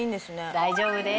大丈夫です。